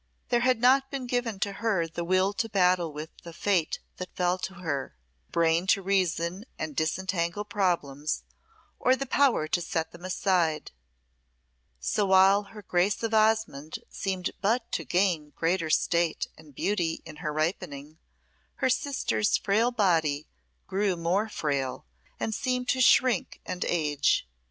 There had not been given to her the will to battle with the Fate that fell to her, the brain to reason and disentangle problems, or the power to set them aside. So while her Grace of Osmonde seemed but to gain greater state and beauty in her ripening, her sister's frail body grew more frail, and seemed to shrink and age.